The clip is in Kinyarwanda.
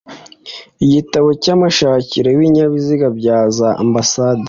igitabo cy'amashakiro y'ibinyabiziga bya za ambasade